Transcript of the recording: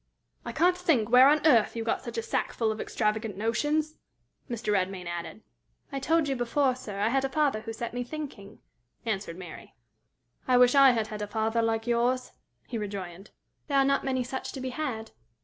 "I can't think where on earth you got such a sackful of extravagant notions!" Mr. Redmain added. "I told you before, sir, I had a father who set me thinking!" answered Mary. "I wish I had had a father like yours," he rejoined. "There are not many such to be had."